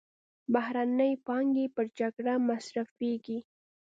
بهرنۍ پانګې پر جګړه مصرفېږي.